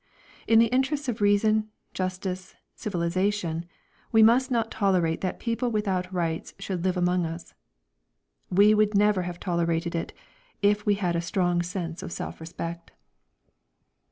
In the interests of reason, justice, civilisation, we must not tolerate that people without rights should live among us; we would never have tolerated it, if we had a strong sense of self respect.